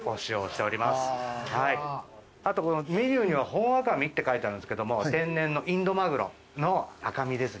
あとメニューには本赤身って書いてあるんですけども天然のインドマグロの赤身ですね。